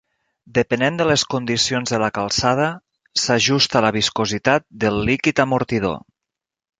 Depenent de les condicions de la calçada, s'ajusta la viscositat del líquid amortidor.